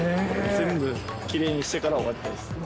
全部きれいにしてから終わりたいです。